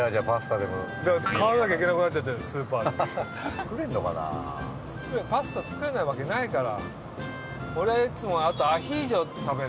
作れるのかなパスタ作れないわけないから。